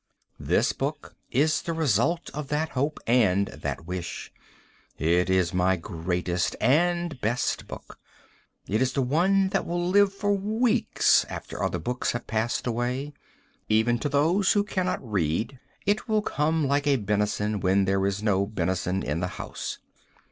This book is the result of that hope and that wish. It is my greatest and best book. It is the one that will live for weeks after other books have passed away. Even to those who cannot read, it will come like a benison when there is no benison in the house.